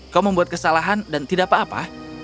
kau membuat kesalahan dan tidak apa apa